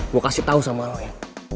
gue kasih tau sama lo ya